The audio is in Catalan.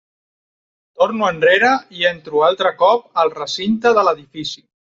Torno enrere i entro altre cop al recinte de l'edifici.